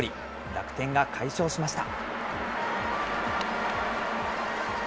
楽天が快勝しました。